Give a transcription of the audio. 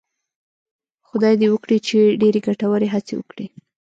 خدای دې وکړي چې ډېرې ګټورې هڅې وکړي.